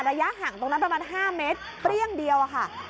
ระยะห่างตรงนั้นประมาณ๕เมตรเปรี้ยงเดียวค่ะ